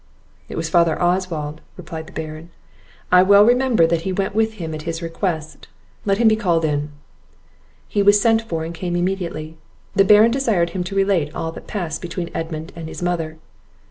"It was father Oswald," replied the Baron; "I well remember that he went with him at his request; let him be called in." He was sent for, and came immediately. The Baron desired him to relate all that passed between Edmund and his mother.